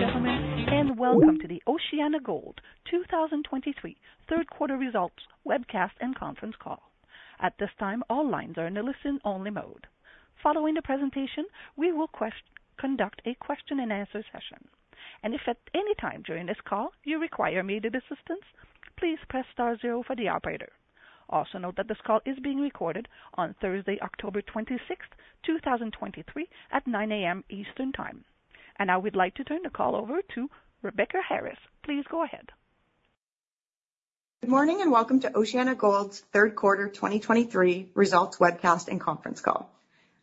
Ladies and gentlemen, welcome to the OceanaGold 2023 Third Quarter Results Webcast and Conference Call. At this time, all lines are in a listen-only mode. Following the presentation, we will conduct a question and answer session. And if at any time during this call you require immediate assistance, please press star zero for the operator. Also, note that this call is being recorded on Thursday, October 26th, 2023, at 9:00 A.M. Eastern Time. And now we'd like to turn the call over to Rebecca Harris. Please go ahead. Good morning, and welcome to OceanaGold's third quarter 2023 results webcast and conference call.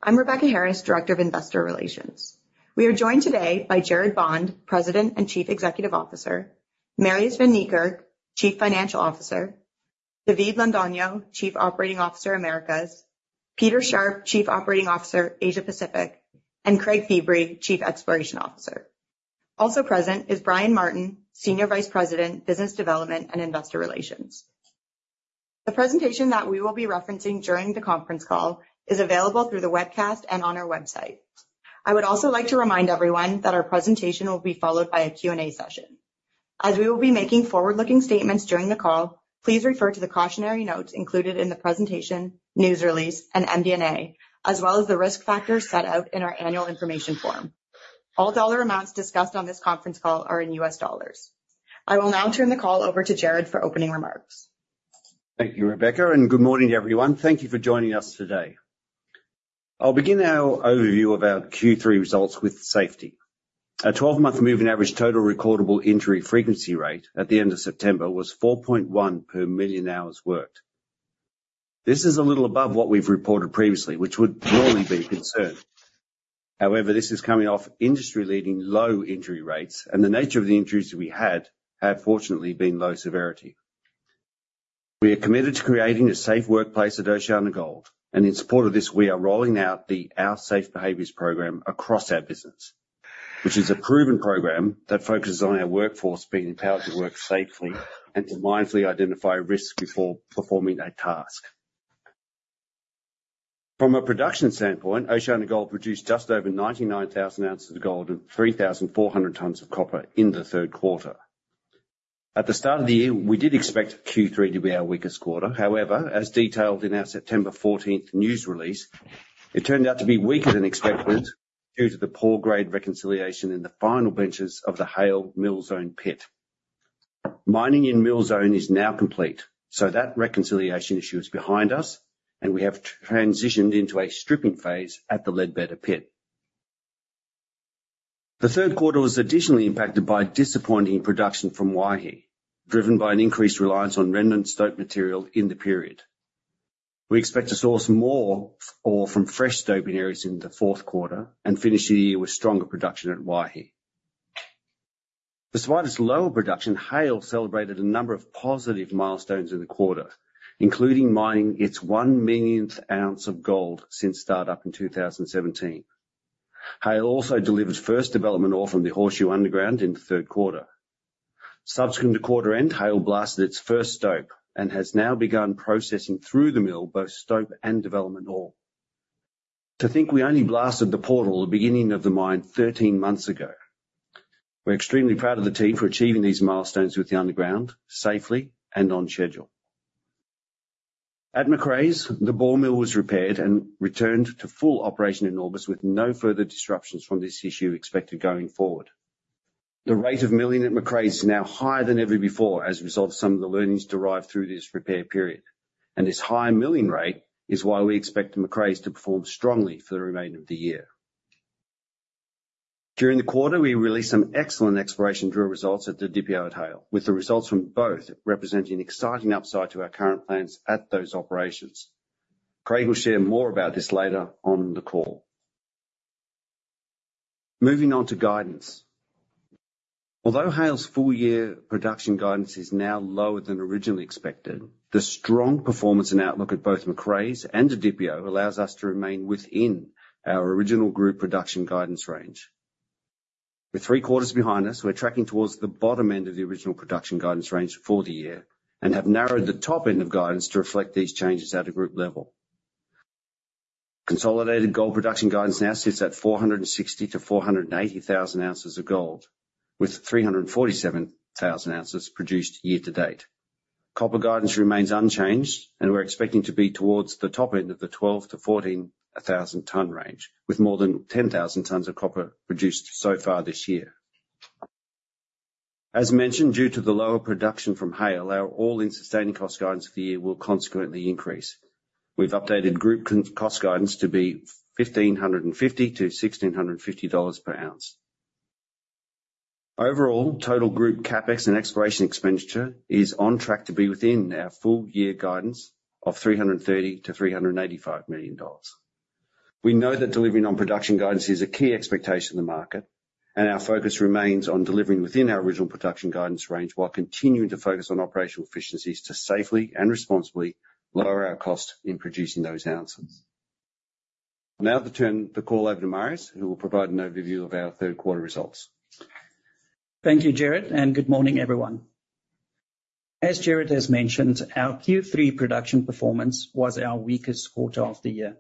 I'm Rebecca Harris, Director of Investor Relations. We are joined today by Gerard Bond, President and Chief Executive Officer, Marius van Niekerk, Chief Financial Officer, David Londono, Chief Operating Officer, Americas, Peter Sharpe, Chief Operating Officer, Asia Pacific, and Craig Feebrey, Chief Exploration Officer. Also present is Brian Martin, Senior Vice President, Business Development and Investor Relations. The presentation that we will be referencing during the conference call is available through the webcast and on our website. I would also like to remind everyone that our presentation will be followed by a Q&A session. As we will be making forward-looking statements during the call, please refer to the cautionary notes included in the presentation, news release, and MD&A, as well as the risk factors set out in our annual information form. All dollar amounts discussed on this conference call are in U.S. dollars. I will now turn the call over to Gerard for opening remarks. Thank you, Rebecca, and good morning, everyone. Thank you for joining us today. I'll begin our overview of our Q3 results with safety. Our 12-month moving average total recordable injury frequency rate at the end of September was 4.1 per million hours worked. This is a little above what we've reported previously, which would normally be a concern. However, this is coming off industry-leading low injury rates, and the nature of the injuries we had, have fortunately been low severity. We are committed to creating a safe workplace at OceanaGold, and in support of this, we are rolling out the Our Safe Behaviors program across our business, which is a proven program that focuses on our workforce being empowered to work safely and to mindfully identify risks before performing a task. From a production standpoint, OceanaGold produced just over 99,000 ounces of gold and 3,400 tons of copper in the third quarter. At the start of the year, we did expect Q3 to be our weakest quarter. However, as detailed in our September 14th news release, it turned out to be weaker than expected due to the poor grade reconciliation in the final benches of the Haile Mill Zone Pit. Mining in Mill Zone is now complete, so that reconciliation issue is behind us, and we have transitioned into a stripping phase at the Ledbetter Pit. The third quarter was additionally impacted by disappointing production from Waihi, driven by an increased reliance on remnant stope material in the period. We expect to source more ore from fresh stope areas in the fourth quarter and finish the year with stronger production at Waihi. Despite this lower production, Haile celebrated a number of positive milestones in the quarter, including mining its 1 millionth ounce of gold since startup in 2017. Haile also delivered first development ore from the Horseshoe Underground in the third quarter. Subsequent to quarter end, Haile blasted its first stope and has now begun processing through the mill, both stope and development ore. To think we only blasted the portal, the beginning of the mine, 13 months ago. We're extremely proud of the team for achieving these milestones with the underground safely and on schedule. At Macraes, the ball mill was repaired and returned to full operation in August, with no further disruptions from this issue expected going forward. The rate of milling at Macraes is now higher than ever before as a result of some of the learnings derived through this repair period, and this high milling rate is why we expect Macraes to perform strongly for the remainder of the year. During the quarter, we released some excellent exploration drill results at the Didipio, with the results from both representing an exciting upside to our current plans at those operations. Craig will share more about this later on the call. Moving on to guidance. Although Haile's full year production guidance is now lower than originally expected, the strong performance and outlook at both Macraes and Didipio allows us to remain within our original group production guidance range. With three quarters behind us, we're tracking towards the bottom end of the original production guidance range for the year and have narrowed the top end of guidance to reflect these changes at a group level. Consolidated gold production guidance now sits at 460,000-480,000 ounces of gold, with 347,000 ounces produced year to date. Copper guidance remains unchanged, and we're expecting to be towards the top end of the 12,000-14,000 ton range, with more than 10,000 tons of copper produced so far this year. As mentioned, due to the lower production from Haile, our All-in Sustaining Cost guidance for the year will consequently increase. We've updated group cost guidance to be $1,550-$1,650 per ounce. Overall, total group CapEx and exploration expenditure is on track to be within our full year guidance of $330 million-$385 million. We know that delivering on production guidance is a key expectation in the market, and our focus remains on delivering within our original production guidance range while continuing to focus on operational efficiencies to safely and responsibly lower our cost in producing those ounces. Now to turn the call over to Marius, who will provide an overview of our third quarter results. Thank you, Gerard, and good morning, everyone. As Gerard has mentioned, our Q3 production performance was our weakest quarter of the year.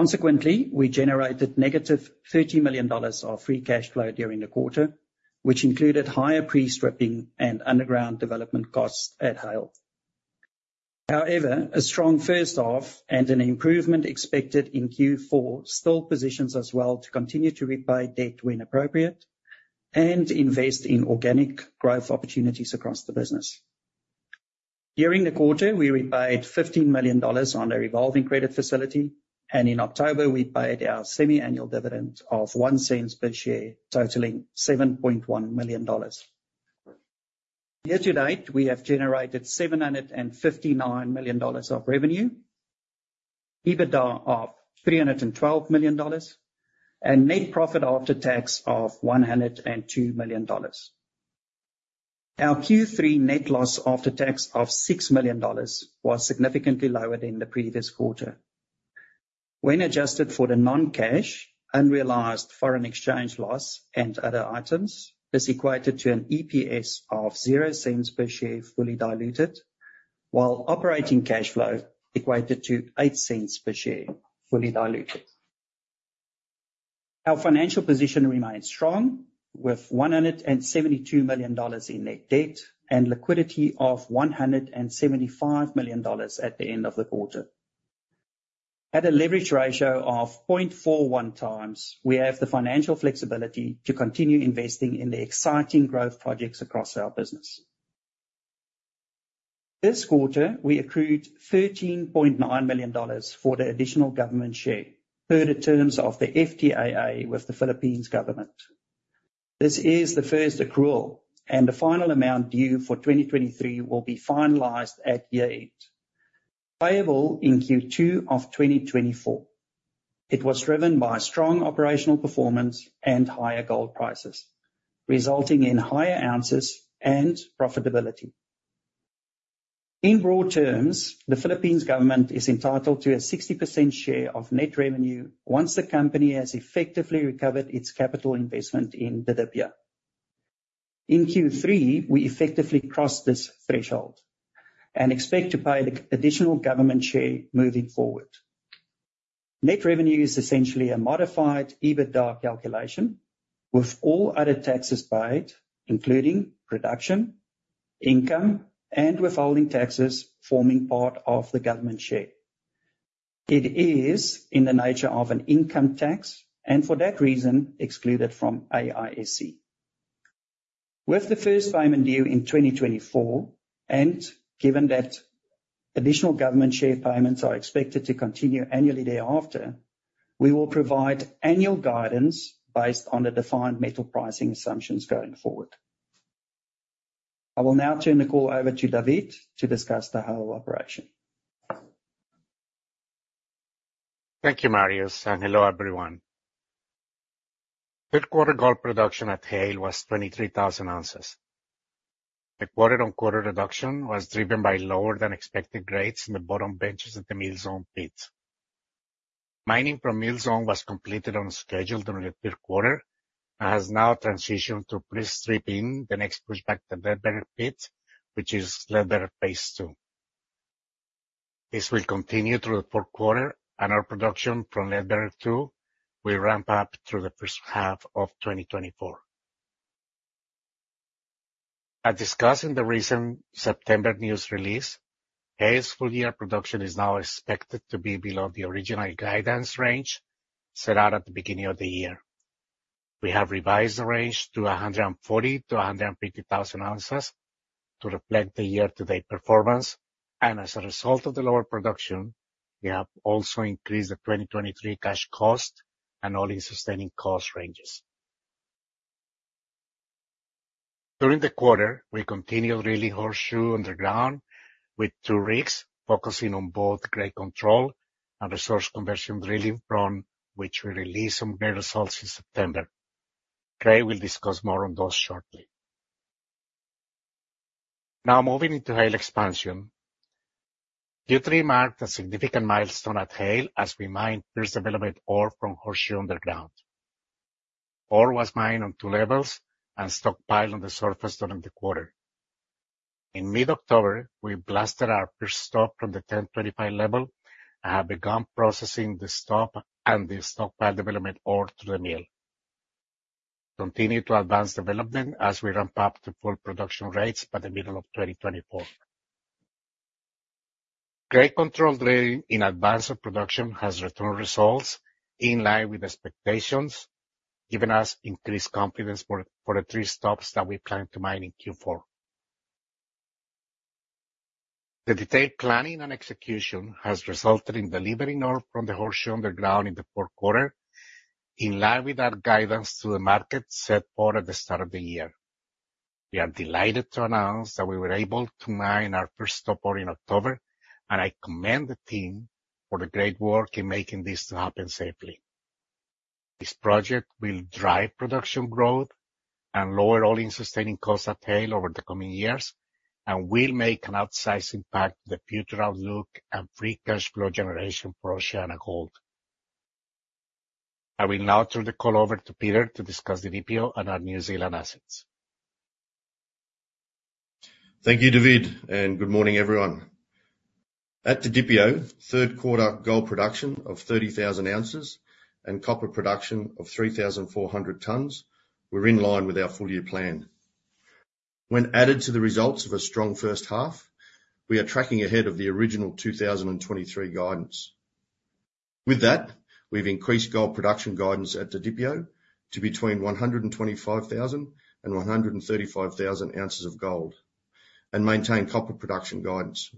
Consequently, we generated -$30 million of free cash flow during the quarter, which included higher pre-stripping and underground development costs at Haile. However, a strong first half and an improvement expected in Q4 still positions us well to continue to repay debt when appropriate and invest in organic growth opportunities across the business. During the quarter, we repaid $15 million on a revolving credit facility, and in October, we paid our semi-annual dividend of $0.01 per share, totaling $7.1 million. Year to date, we have generated $759 million of revenue, EBITDA of $312 million, and net profit after tax of $102 million. Our Q3 net loss after tax of $6 million was significantly lower than the previous quarter. When adjusted for the non-cash, unrealized foreign exchange loss and other items, this equated to an EPS of $0.00 per share, fully diluted, while operating cash flow equated to $0.08 cents per share, fully diluted. Our financial position remains strong, with $172 million in net debt and liquidity of $175 million at the end of the quarter. At a leverage ratio of 0.41x, we have the financial flexibility to continue investing in the exciting growth projects across our business. This quarter, we accrued $13.9 million for the Additional Government Share per the terms of the FTAA with the Philippines government. This is the first accrual, and the final amount due for 2023 will be finalized at year-end, payable in Q2 of 2024. It was driven by strong operational performance and higher gold prices, resulting in higher ounces and profitability. In broad terms, the Philippine government is entitled to a 60% share of net revenue once the company has effectively recovered its capital investment in Didipio. In Q3, we effectively crossed this threshold and expect to pay the Additional Government Share moving forward. Net revenue is essentially a modified EBITDA calculation, with all other taxes paid, including production, income, and withholding taxes, forming part of the government share. It is in the nature of an income tax, and for that reason, excluded from AISC. With the first payment due in 2024, and given that Additional Government Share payments are expected to continue annually thereafter, we will provide annual guidance based on the defined metal pricing assumptions going forward. I will now turn the call over to David to discuss the Haile operation. Thank you, Marius, and hello, everyone. Third quarter gold production at Haile was 23,000 ounces. The quarter-on-quarter reduction was driven by lower than expected grades in the bottom benches of the Mill Zone pit. Mining from Mill Zone was completed on schedule during the third quarter and has now transitioned to pre-stripping the next pushback to Ledbetter pit, which is Ledbetter Phase 2. This will continue through the fourth quarter, and our production from Ledbetter 2 will ramp up through the first half of 2024. As discussed in the recent September news release, Haile's full year production is now expected to be below the original guidance range set out at the beginning of the year. We have revised the range to 140-150,000 ounces to reflect the year-to-date performance, and as a result of the lower production, we have also increased the 2023 cash cost and all-in sustaining cost ranges. During the quarter, we continued drilling Horseshoe Underground, with two rigs focusing on both grade control and resource conversion drilling from which we released some great results in September. Craig will discuss more on those shortly. Now, moving into Haile expansion. Q3 marked a significant milestone at Haile as we mined first development ore from Horseshoe Underground. Ore was mined on two levels and stockpiled on the surface during the quarter. In mid-October, we blasted our first stope from the 1,025 level and have begun processing the stope and the stockpile development ore to the mill. Continue to advance development as we ramp up to full production rates by the middle of 2024. Grade control drilling in advance of production has returned results in line with expectations, giving us increased confidence for the three stopes that we plan to mine in Q4. The detailed planning and execution has resulted in delivering ore from the Horseshoe Underground in the fourth quarter, in line with our guidance to the market set forward at the start of the year. We are delighted to announce that we were able to mine our first stope ore in October, and I commend the team for the great work in making this to happen safely. This project will drive production growth and lower all-in sustaining costs at Haile over the coming years and will make an outsized impact to the future outlook and free cash flow generation for OceanaGold. I will now turn the call over to Peter to discuss the Didipio and our New Zealand assets. Thank you, David, and good morning, everyone. At the Didipio, third quarter gold production of 30,000 ounces and copper production of 3,400 tons were in line with our full-year plan. When added to the results of a strong first half, we are tracking ahead of the original 2023 guidance. With that, we've increased gold production guidance at the Didipio to between 125,000 and 135,000 ounces of gold and maintained copper production guidance.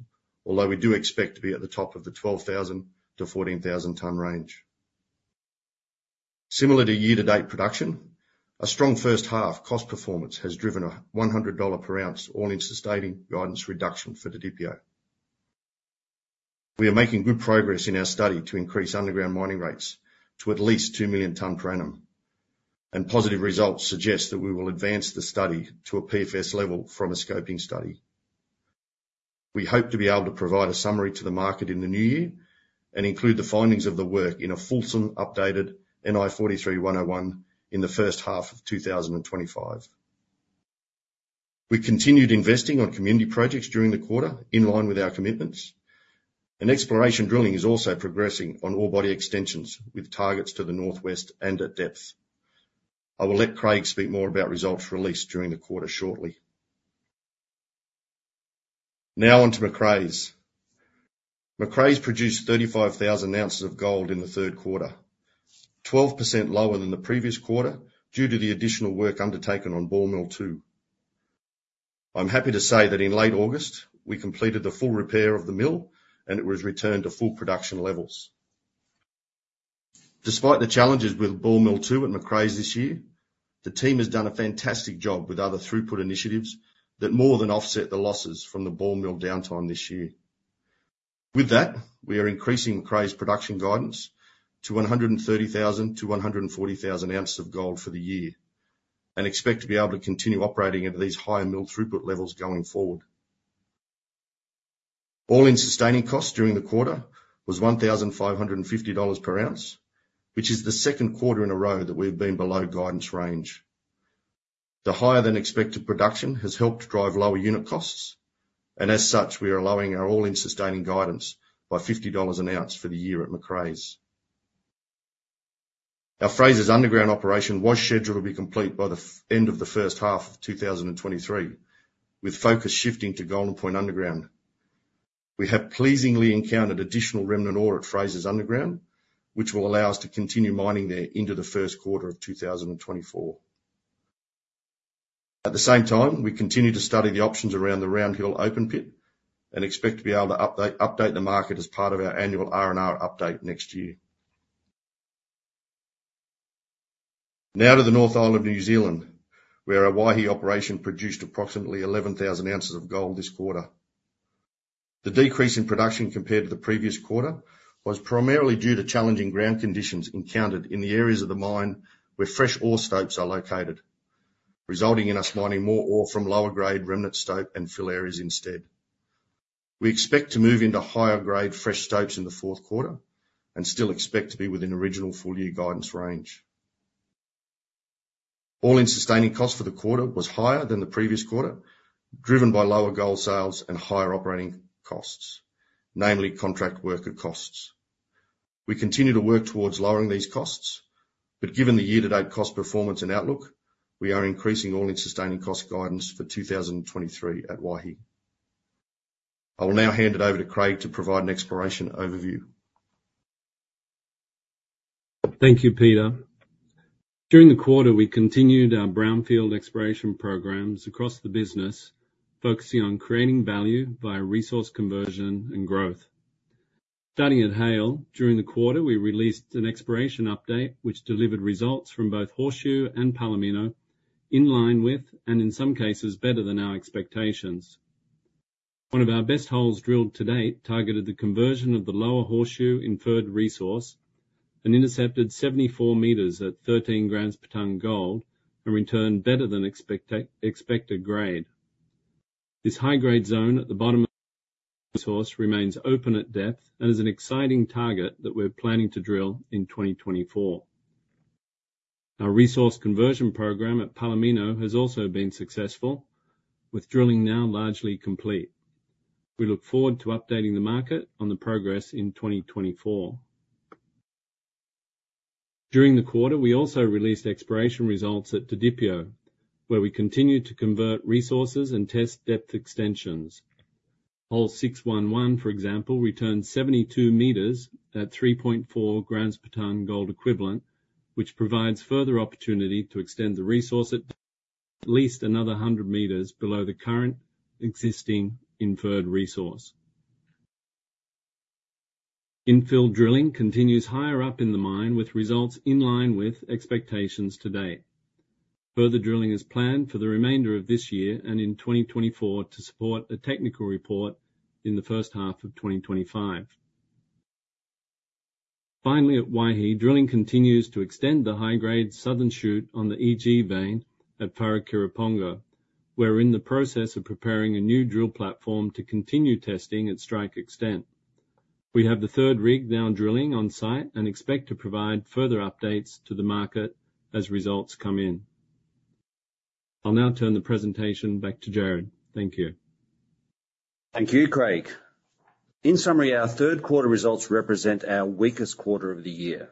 Although we do expect to be at the top of the 12,000-14,000 ton range. Similar to year-to-date production, a strong first half cost performance has driven a $100 per ounce All-in Sustaining guidance reduction for the Didipio. We are making good progress in our study to increase underground mining rates to at least 2 million tons per annum, and positive results suggest that we will advance the study to a PFS level from a scoping study. We hope to be able to provide a summary to the market in the new year and include the findings of the work in a fulsome, updated NI 43-101 in the first half of 2025. We continued investing on community projects during the quarter, in line with our commitments, and exploration drilling is also progressing on ore body extensions, with targets to the northwest and at depth. I will let Craig speak more about results released during the quarter shortly. Now on to Macraes. Macraes produced 35,000 ounces of gold in the third quarter, 12% lower than the previous quarter due to the additional work undertaken on Ball Mill 2. I'm happy to say that in late August, we completed the full repair of the mill, and it was returned to full production levels. Despite the challenges with Ball Mill 2 at Macraes this year, the team has done a fantastic job with other throughput initiatives that more than offset the losses from the ball mill downtime this year. With that, we are increasing Macraes' production guidance to 130,000-140,000 ounces of gold for the year, and expect to be able to continue operating at these higher mill throughput levels going forward. All-in Sustaining Costs during the quarter was $1,550 per ounce, which is the second quarter in a row that we've been below guidance range. The higher-than-expected production has helped drive lower unit costs, and as such, we are allowing our all-in sustaining guidance by $50 an ounce for the year at Macraes. Our Frasers Underground operation was scheduled to be complete by the end of the first half of 2023, with focus shifting to Golden Point Underground. We have pleasingly encountered additional remnant ore at Frasers Underground, which will allow us to continue mining there into the first quarter of 2024. At the same time, we continue to study the options around the Round Hill open pit and expect to be able to update the market as part of our annual R&R update next year. Now to the North Island of New Zealand, where our Waihi Operation produced approximately 11,000 ounces of gold this quarter. The decrease in production compared to the previous quarter was primarily due to challenging ground conditions encountered in the areas of the mine where fresh ore stopes are located, resulting in us mining more ore from lower grade remnant stopes and fill areas instead. We expect to move into higher grade, fresh stopes in the fourth quarter and still expect to be within original full-year guidance range. All-in Sustaining Cost for the quarter was higher than the previous quarter, driven by lower gold sales and higher operating costs, namely contract worker costs. We continue to work towards lowering these costs, but given the year-to-date cost, performance, and outlook, we are increasing All-in Sustaining Cost guidance for 2023 at Waihi. I will now hand it over to Craig to provide an exploration overview. Thank you, Peter. During the quarter, we continued our brownfield exploration programs across the business, focusing on creating value via resource conversion and growth. Starting at Haile, during the quarter, we released an exploration update, which delivered results from both Horseshoe and Palomino, in line with, and in some cases, better than our expectations. One of our best holes drilled to date targeted the conversion of the lower Horseshoe Inferred resource and intercepted 74 meters at 13 grams per ton gold and returned better than expected grade. This high-grade zone at the bottom of the Horseshoe remains open at depth and is an exciting target that we're planning to drill in 2024. Our resource conversion program at Palomino has also been successful, with drilling now largely complete. We look forward to updating the market on the progress in 2024. During the quarter, we also released exploration results at the Didipio, where we continued to convert resources and test depth extensions. Hole 611, for example, returned 72 meters at 3.4 grams per ton gold equivalent, which provides further opportunity to extend the resource at least another 100 meters below the current existing inferred resource. Infill drilling continues higher up in the mine, with results in line with expectations to date. Further drilling is planned for the remainder of this year and in 2024 to support a technical report in the first half of 2025. Finally, at Waihi, drilling continues to extend the high-grade southern shoot on the EG Vein at Wharekirauponga.... We're in the process of preparing a new drill platform to continue testing at strike extent. We have the third rig now drilling on site, and expect to provide further updates to the market as results come in. I'll now turn the presentation back to Gerard. Thank you. Thank you, Craig. In summary, our third quarter results represent our weakest quarter of the year.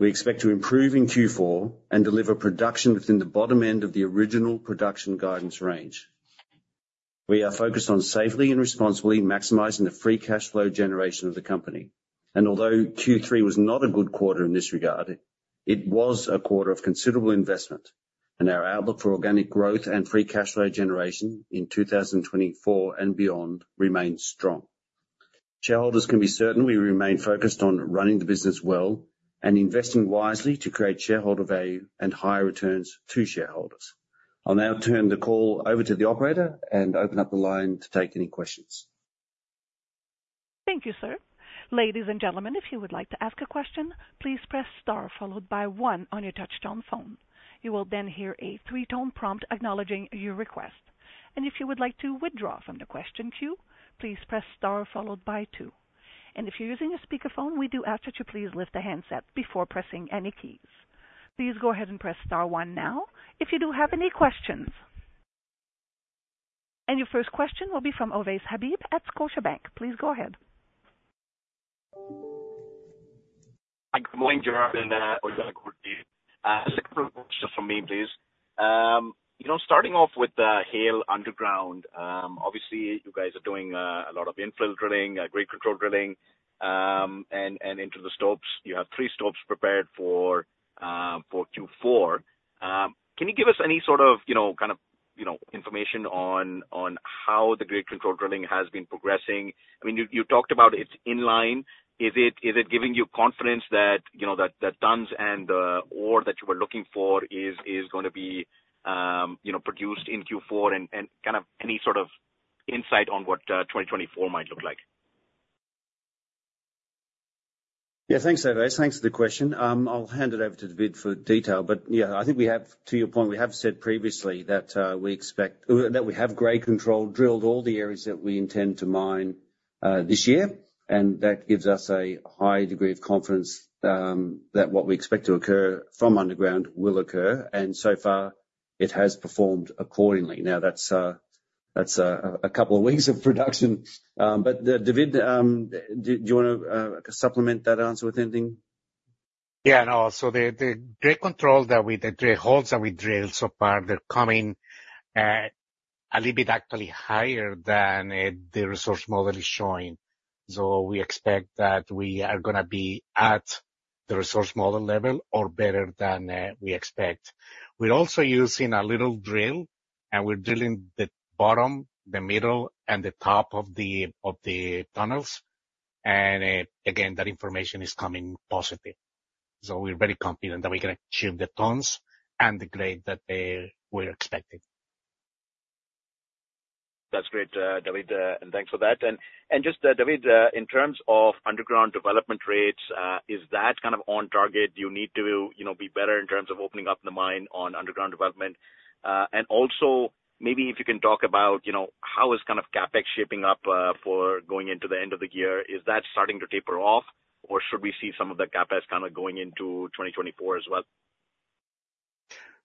We expect to improve in Q4 and deliver production within the bottom end of the original production guidance range. We are focused on safely and responsibly maximizing the free cash flow generation of the company, and although Q3 was not a good quarter in this regard, it was a quarter of considerable investment, and our outlook for organic growth and free cash flow generation in 2024 and beyond remains strong. Shareholders can be certain we remain focused on running the business well and investing wisely to create shareholder value and higher returns to shareholders. I'll now turn the call over to the operator and open up the line to take any questions. Thank you, sir. Ladies and gentlemen, if you would like to ask a question, please press star followed by one on your touchtone phone. You will then hear a three-tone prompt acknowledging your request. If you would like to withdraw from the question queue, please press star followed by two. If you're using a speakerphone, we do ask that you please lift the handset before pressing any keys. Please go ahead and press star one now if you do have any questions. Your first question will be from Ovais Habib at Scotiabank. Please go ahead. Hi, good morning, Gerard, and good morning to you. Just from me, please. You know, starting off with the Haile underground, obviously, you guys are doing a lot of infill drilling, grade control drilling, and into the stopes. You have three stopes prepared for Q4. Can you give us any sort of, you know, kind of, you know, information on how the grade control drilling has been progressing? I mean, you talked about it's in line. Is it giving you confidence that, you know, the tons and ore that you were looking for is gonna be produced in Q4? And kind of any sort of insight on what 2024 might look like? Yeah, thanks, Ovais. Thanks for the question. I'll hand it over to David for detail, but yeah, I think we have, to your point, we have said previously that we have great control, drilled all the areas that we intend to mine this year, and that gives us a high degree of confidence that what we expect to occur from underground will occur, and so far, it has performed accordingly. Now, that's a couple of weeks of production, but David, do you wanna supplement that answer with anything? Yeah, no. So the control that we, the drill holes that we drilled so far, they're coming at a little bit actually higher than the resource model is showing. So we expect that we are gonna be at the resource model level or better than we expect. We're also using a little drill, and we're drilling the bottom, the middle, and the top of the tunnels. And again, that information is coming positive. So we're very confident that we're gonna achieve the tons and the grade that we're expecting. That's great, David, and thanks for that. And just, David, in terms of underground development rates, is that kind of on target? Do you need to, you know, be better in terms of opening up the mine on underground development? And also, maybe if you can talk about, you know, how is kind of CapEx shaping up, for going into the end of the year? Is that starting to taper off, or should we see some of the CapEx kind of going into 2024 as well?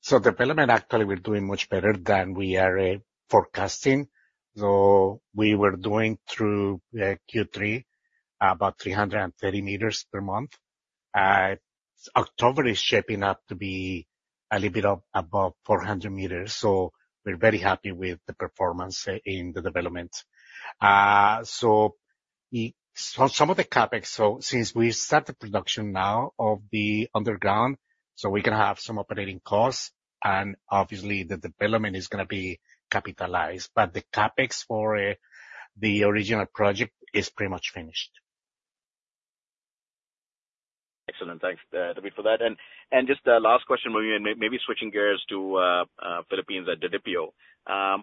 So development, actually, we're doing much better than we are forecasting. So we were doing through Q3, about 300 meters per month. October is shaping up to be a little bit up above 400 meters, so we're very happy with the performance in the development. So some of the CapEx, so since we start the production now of the underground, so we can have some operating costs, and obviously, the development is gonna be capitalized, but the CapEx for the original project is pretty much finished. Excellent. Thanks, David, for that. And just a last question for you, and maybe switching gears to, Philippines and Didipio.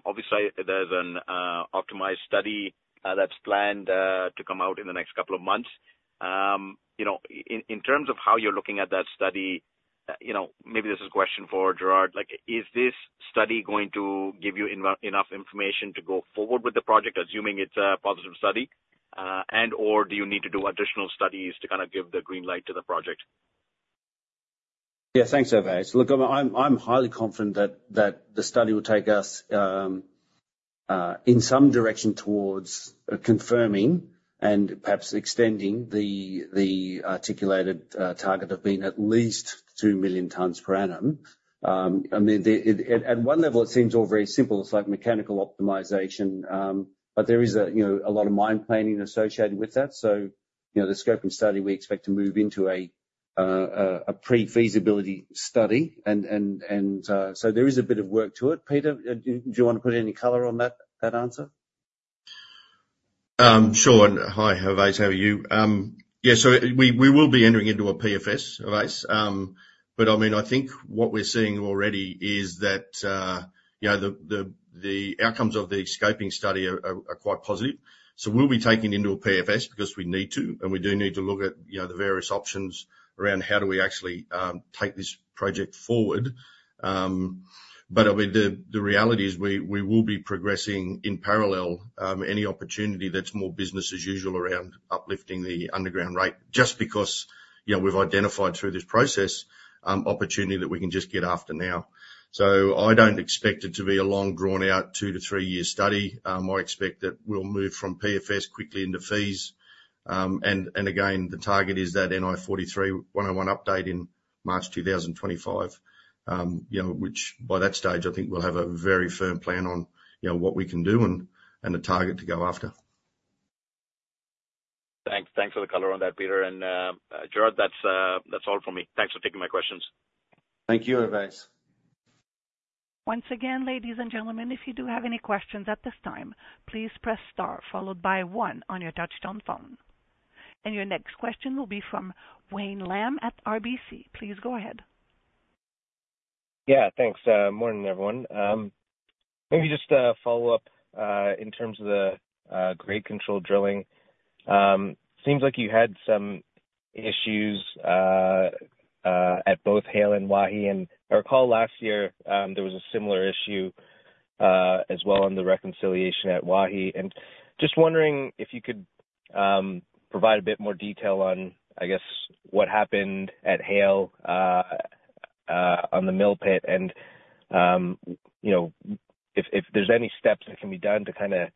Obviously there's an optimized study that's planned to come out in the next couple of months. You know, in terms of how you're looking at that study, you know, maybe this is a question for Gerard, like, is this study going to give you enough information to go forward with the project, assuming it's a positive study? And/or do you need to do additional studies to kind of give the green light to the project? Yeah. Thanks, Ovais. Look, I'm highly confident that the study will take us in some direction towards confirming and perhaps extending the articulated target of being at least two million tons per annum. I mean, at one level, it seems all very simple. It's like mechanical optimization, but there is a you know a lot of mine planning associated with that, so you know, the scoping study, we expect to move into a pre-feasibility study, and so there is a bit of work to it. Peter, do you wanna put any color on that answer? Sure. Hi, Ovais, how are you? Yeah, so we will be entering into a PFS, Ovais. But, I mean, I think what we're seeing already is that, you know, the outcomes of the scoping study are quite positive. So we'll be taking it into a PFS because we need to, and we do need to look at, you know, the various options around how we actually take this project forward. But, I mean, the reality is we will be progressing in parallel any opportunity that's more business as usual around uplifting the underground rate, just because, you know, we've identified through this process opportunity that we can just get after now. So I don't expect it to be a long, drawn-out, two to three-year study. I expect that we'll move from PFS quickly into Feas. And again, the target is that NI 43-101 update in March 2025. You know, which by that stage, I think we'll have a very firm plan on, you know, what we can do and the target to go after. Thanks. Thanks for the color on that, Peter. And, Gerard, that's all for me. Thanks for taking my questions. Thank you, Ovais. Once again, ladies and gentlemen, if you do have any questions at this time, please press star followed by one on your touchtone phone. Your next question will be from Wayne Lam at RBC. Please go ahead. Yeah, thanks. Morning, everyone. Maybe just a follow-up in terms of the grade control drilling. Seems like you had some issues at both Haile and Waihi. And I recall last year there was a similar issue as well on the reconciliation at Waihi. And just wondering if you could provide a bit more detail on, I guess, what happened at Haile on the Mill Zone Pit, and you know, if there's any steps that can be done to kinda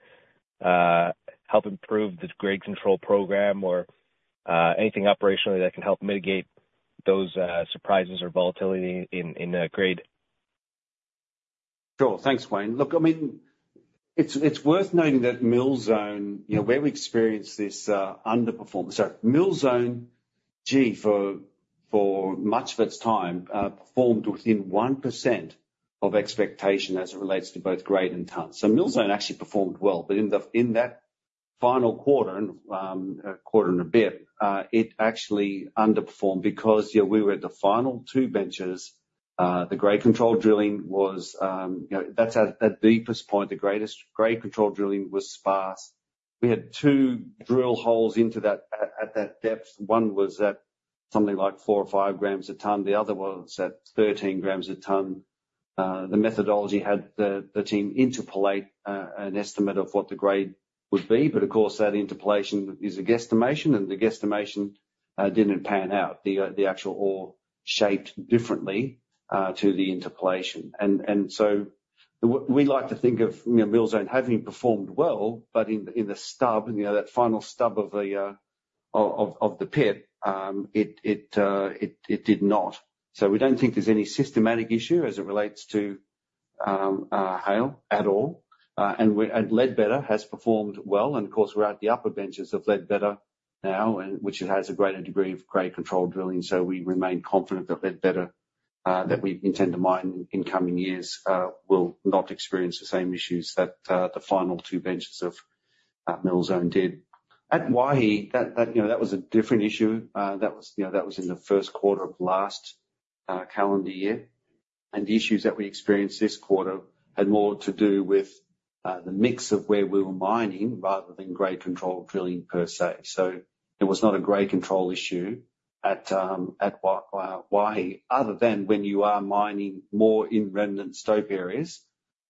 help improve this grade control program or anything operationally that can help mitigate those surprises or volatility in the grade? Sure. Thanks, Wayne. Look, I mean, it's worth noting that Mill Zone, you know, where we experienced this underperformance. So Mill Zone pit, for much of its time, performed within 1% of expectation as it relates to both grade and tons. So Mill Zone actually performed well, but in that final quarter and a quarter and a bit, it actually underperformed because, you know, we were at the final two benches. The grade control drilling was, you know, that's at deepest point, the greatest grade control drilling was sparse. We had two drill holes into that, at that depth. One was at something like four or five grams a ton, the other one was at 13 grams a ton. The methodology had the team interpolate an estimate of what the grade would be, but of course, that interpolation is a guesstimation, and the guesstimation didn't pan out. The actual ore shaped differently to the interpolation. And so we like to think of, you know, Mill Zone having performed well, but in the stub, you know, that final stub of the pit, it did not. So we don't think there's any systematic issue as it relates to Haile at all. And Ledbetter has performed well, and of course, we're at the upper benches of Ledbetter now, and which it has a greater degree of grade control drilling. So we remain confident that Ledbetter, that we intend to mine in coming years, will not experience the same issues that the final two benches of Mill Zone did. At Waihi, that, you know, that was a different issue. That was, you know, that was in the first quarter of last calendar year. And the issues that we experienced this quarter had more to do with the mix of where we were mining rather than grade control drilling per se. So it was not a grade control issue at Waihi, other than when you are mining more in remnant stope areas,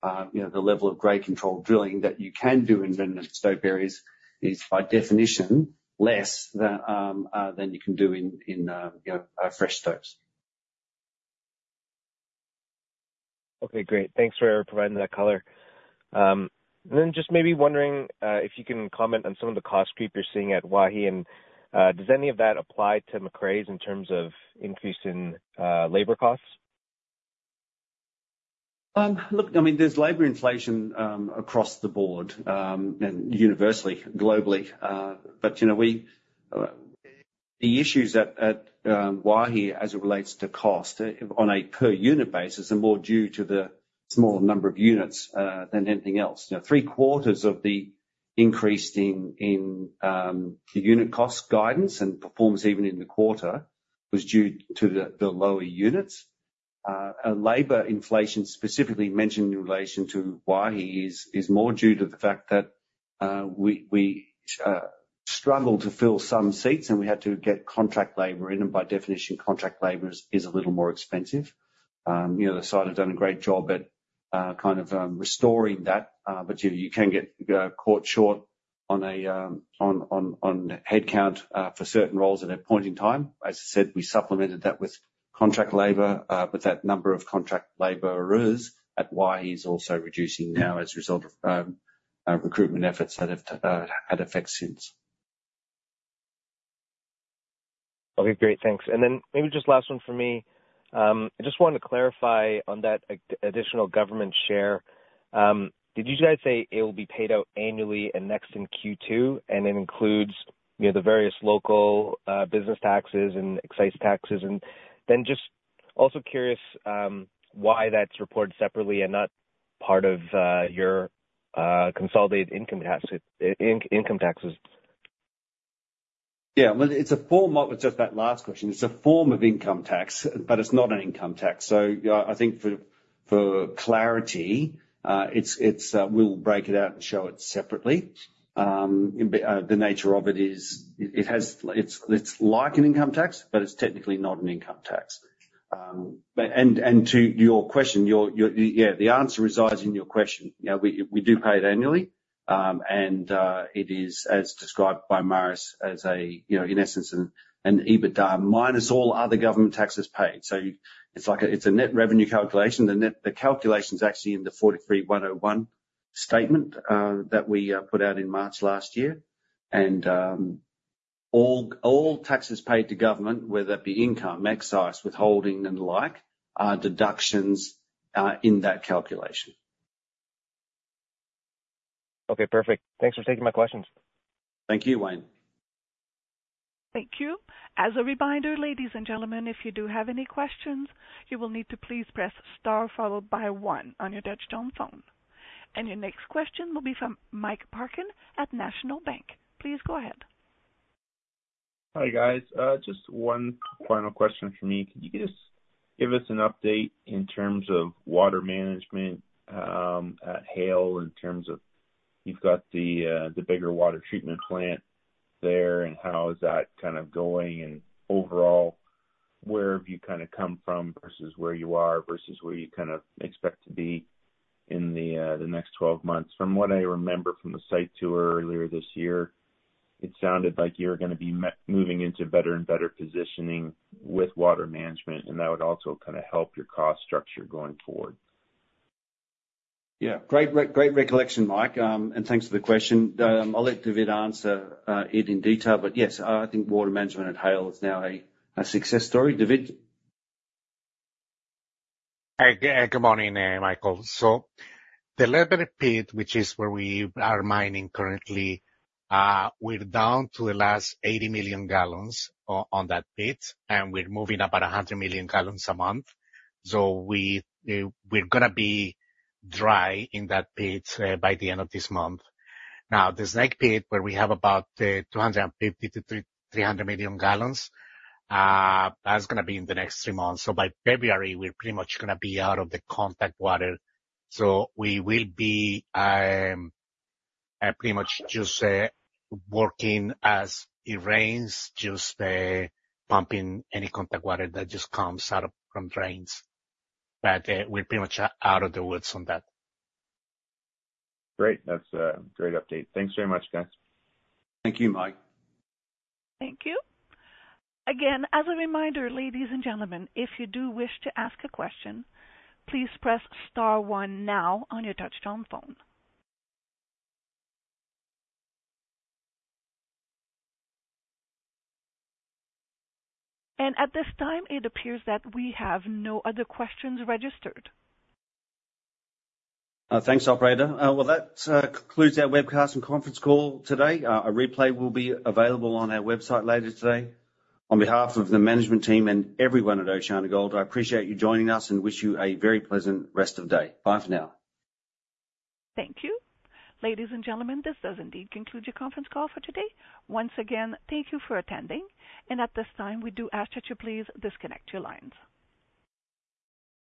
you know, the level of grade control drilling that you can do in remnant stope areas is, by definition, less than than you can do in fresh stopes. Okay, great. Thanks for providing that color. And then just maybe wondering if you can comment on some of the cost creep you're seeing at Waihi, and does any of that apply to Macraes in terms of increase in labor costs? Look, I mean, there's labor inflation across the board and universally, globally. But, you know, we... The issues at Waihi as it relates to cost on a per unit basis are more due to the smaller number of units than anything else. You know, three-quarters of the increase in the unit cost guidance and performance even in the quarter was due to the lower units. And labor inflation, specifically mentioned in relation to Waihi, is more due to the fact that we struggled to fill some seats, and we had to get contract labor in. And by definition, contract labor is a little more expensive. You know, the site have done a great job at kind of restoring that, but you, you can get caught short on headcount for certain roles at that point in time. As I said, we supplemented that with contract labor, but that number of contract laborers at Waihi is also reducing now as a result of recruitment efforts that have had effect since. Okay, great. Thanks. And then maybe just last one for me. I just wanted to clarify on that Additional Government Share. Did you guys say it will be paid out annually and next in Q2, and it includes, you know, the various local, business taxes and excise taxes? And then just also curious, why that's reported separately and not part of, your, consolidated income tax, income taxes? Yeah, well, it's a form of, just that last question, it's a form of income tax, but it's not an income tax. So yeah, I think for clarity, it's we'll break it out and show it separately. But the nature of it is, it has, it's like an income tax, but it's technically not an income tax. But and to your question, yeah, the answer resides in your question. You know, we do pay it annually. And it is as described by Marius as a, you know, in essence, an EBITDA minus all other government taxes paid. So it's like a, it's a net revenue calculation. The net, the calculation is actually in the NI 43-101 statement that we put out in March last year. All taxes paid to government, whether that be income, excise, withholding, and the like, are deductions in that calculation. Okay, perfect. Thanks for taking my questions. Thank you, Wayne. Thank you. As a reminder, ladies and gentlemen, if you do have any questions, you will need to please press star followed by one on your touchtone phone. Your next question will be from Mike Parkin at National Bank. Please go ahead. Hi, guys. Just one final question for me. Can you just give us an update in terms of water management at Haile, in terms of you've got the bigger water treatment plant there, and how is that kind of going? And overall, where have you kind of come from versus where you are, versus where you kind of expect to be in the next 12 months? From what I remember from the site tour earlier this year, it sounded like you were gonna be moving into better and better positioning with water management, and that would also kind of help your cost structure going forward. Yeah. Great recollection, Mike. And thanks for the question. I'll let David answer it in detail, but yes, I think water management at Haile is now a success story. David? Hi, good morning, Michael. So the Ledbetter pit, which is where we are mining currently, we're down to the last 80 million gallons on that pit, and we're moving about 100 million gallons a month. So we're gonna be dry in that pit by the end of this month. Now, this next pit, where we have about 250-300 million gallons, that's gonna be in the next three months. So by February, we're pretty much gonna be out of the contact water. So we will be pretty much just working as it rains, just pumping any contact water that just comes out of from drains. But we're pretty much out of the woods on that. Great. That's a great update. Thanks very much, guys. Thank you, Mike. Thank you. Again, as a reminder, ladies and gentlemen, if you do wish to ask a question, please press star one now on your touchtone phone. At this time, it appears that we have no other questions registered. Thanks, operator. Well, that concludes our webcast and conference call today. A replay will be available on our website later today. On behalf of the management team and everyone at OceanaGold, I appreciate you joining us and wish you a very pleasant rest of day. Bye for now. Thank you. Ladies and gentlemen, this does indeed conclude your conference call for today. Once again, thank you for attending, and at this time, we do ask that you please disconnect your lines.